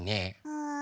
うん？